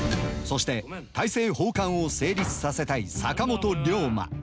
そして大政奉還を成立させたい坂本龍馬。